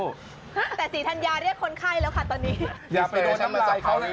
แต่ศรีธรรยาเรียกคนไข้แล้วค่ะตอนนี้อยากไปโดนน้ำไร